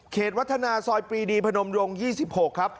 เขตวัฒนาซอยปรีดีพนมรงค์๒๖ครับ